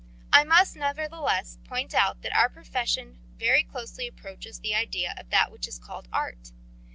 I must nevertheless point out that our profession very closely approaches the idea of that which is called art.